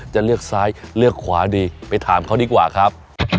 จะเลือกซ้ายเลือกขวาดีไปถามเขาดีกว่าครับ